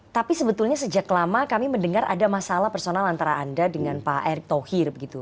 tapi sebetulnya sejak lama kami mendengar ada masalah personal antara anda dengan pak erick thohir begitu